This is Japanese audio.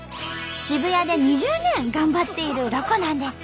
渋谷で２０年頑張っているロコなんです！